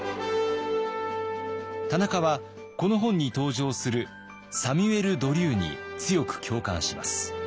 田中はこの本に登場するサミュエル・ドリューに強く共感します。